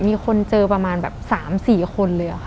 มีคนเจอประมาณแบบ๓๔คนเลยค่ะ